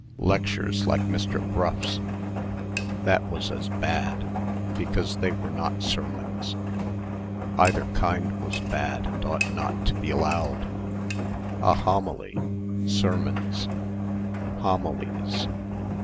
lectures like Mr. Brough's ... that was as bad, because they were not sermons.... Either kind was bad and ought not to be allowed ... a homily ... sermons ... homilies